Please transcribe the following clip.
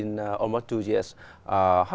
nó khá khó